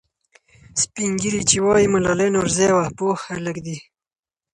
سپین ږیري چې وایي ملالۍ نورزۍ وه، پوه خلک دي.